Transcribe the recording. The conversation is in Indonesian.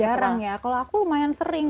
jarang ya kalau aku lumayan sering